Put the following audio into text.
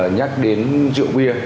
nhắc đến rượu bia